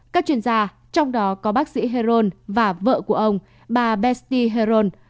các chuyên gia trong đó có bác sĩ heron và vợ của ông bà bensnie heron